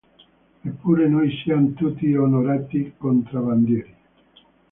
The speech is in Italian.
Eppure, noi siam tutti onorati contrabandieri.